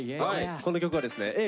この曲はですねＡぇ！